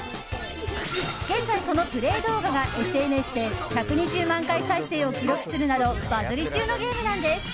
現在、そのプレー動画がＳＮＳで１２０万回再生を記録するなどバズり中のゲームなんです！